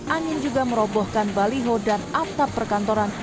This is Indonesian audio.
angin juga merobohkan baliho dan atap perkantoran